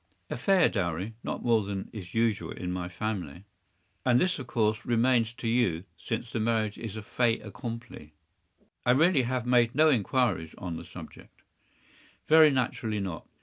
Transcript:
” “A fair dowry. Not more than is usual in my family.” “And this, of course, remains to you, since the marriage is a fait accompli?” “I really have made no inquiries on the subject.” “Very naturally not.